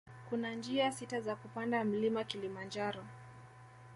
Kuna njia sita za kupanda mlima kilimanjaro